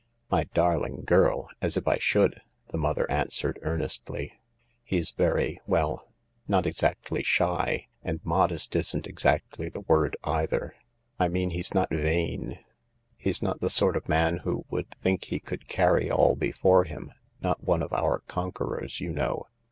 " My darling girl ! As if I should," the mother answered earnestly. " He's very ... well, not exactly shy— ^nd modest isn't exactly the word either. I mean he's not vain — he's not the sort of man who would think he could carry all before him ; not one of our conquerors, you know.